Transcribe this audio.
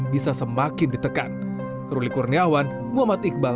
sembilan belas bisa semakin ditekan ruli kurniawan muhammad iqbal